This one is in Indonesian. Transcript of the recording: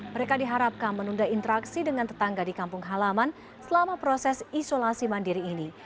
mereka diharapkan menunda interaksi dengan tetangga di kampung halaman selama proses isolasi mandiri ini